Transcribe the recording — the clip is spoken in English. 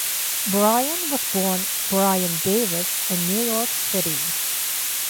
Brian was born Brian Davis in New York City.